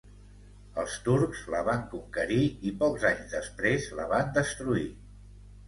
Els turcs la van conquerir, i pocs anys després la van destruir.